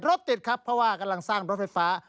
รถติดครับเพราะว่ากำลังสร้างรถไฟฟ้า